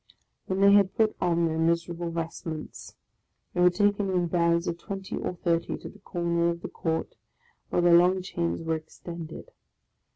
When they had put on their miserable vestments, they were taken in bands of twenty or thirty to the corner of tlie court where the long chains were extended.